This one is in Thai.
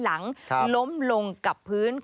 โปรดติดตามต่อไป